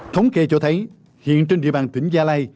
thống kê cho thấy hiện trên địa bàn tỉnh gia lai